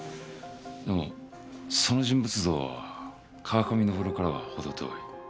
でもその人物像は川上昇からは程遠い。